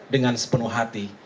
dengan sepenuh hati